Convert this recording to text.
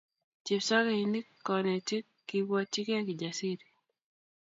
Chepsokeinik konetik, kiibwatyikei Kijasiri